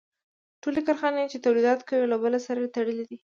ټولې کارخانې چې تولیدات کوي یو له بل سره تړلي دي